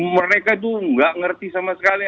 mereka itu nggak ngerti sama sekali